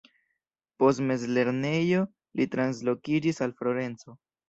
Post mezlernejo li translokiĝis al Florenco.